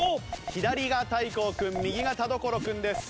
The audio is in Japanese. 左が大光君右が田所君です。